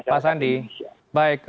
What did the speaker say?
pak sandi baik